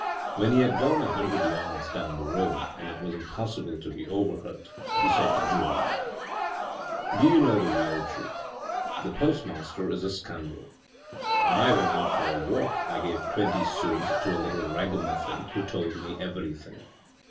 When he had gone a hundred yards down the road, and it was impossible to be overheard, he said to Julien :" Do you know the real truth, the postmaster is a scoundrel. When I went out for a walk I gave twenty sous to a little ragamuffin who told me everything.